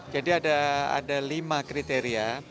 jadi ada lima kriteria